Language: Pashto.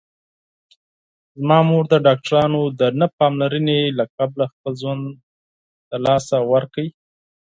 زما مور د ډاکټرانو د نه پاملرنې له کبله خپل ژوند له لاسه ورکړ